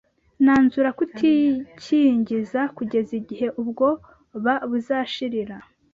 nanzura kutikingiza kugeza igihe ubwoba buzashirira.